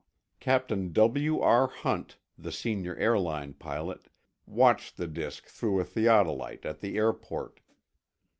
Captain W. R. Hunt, the senior airline pilot, watched the disk through a theodolite at the airport.